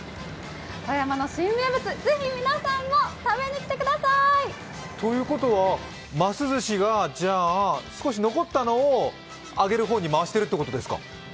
富山の新名物、ぜひ皆さんも食べに来てください。ということはます寿しが少し残ったのを揚げる方に回してるってことですか。